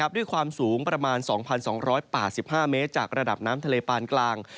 ด้วยความสูงประมาณ๒๒๘๕เมตรจากระดับน้ำทะเลปานกลาง